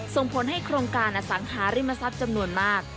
ส่งผลให้โครงการอสังหาริมทรัพย์จำนวนมาก